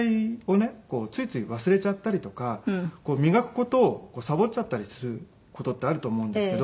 ついつい忘れちゃったりとか磨く事をサボっちゃったりする事ってあると思うんですけど。